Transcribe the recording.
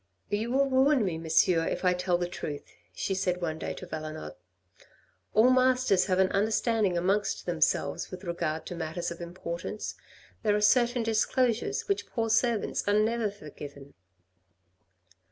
" You will ruin me, Monsieur, if I tell the truth," she said one day to Valenod. "All masters have an understanding amongst themselves with regard to matters of importance. There are certain disclosures which poor servants are never forgiven."